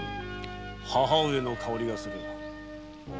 母上の香りがする。